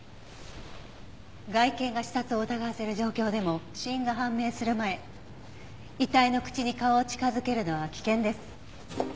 外見が刺殺を疑わせる状況でも死因が判明する前遺体の口に顔を近づけるのは危険です。